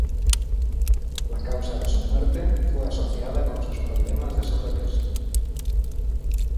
La causa de su muerte fue asociada con sus problemas de sobrepeso.